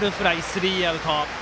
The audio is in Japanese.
スリーアウト。